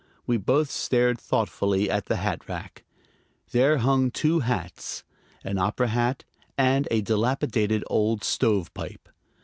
We both stared thoughtfully at the hat rack. There hung two hats: an opera hat and a dilapidated old stovepipe.